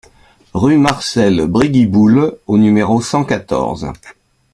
Rue Marcel Briguiboul au numéro cent quatorze